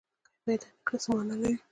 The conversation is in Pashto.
که یې پیدا نه کړي، څه معنی لري؟